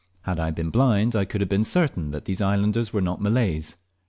Had I been blind, I could have been certain that these islanders were not Malays.